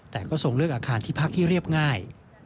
แต่ก็ทรงเลือกอาคารที่พักที่เรียบง่าย